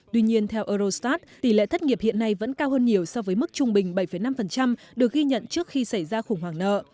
tuy nhiên theo eurostat tỷ lệ thất nghiệp hiện nay vẫn cao hơn nhiều so với mức trung bình bảy năm được ghi nhận trước khi xảy ra khủng hoảng nợ